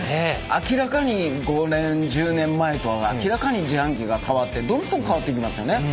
明らかに５年１０年前とは明らかに自販機が変わってどんどん変わっていきますよね。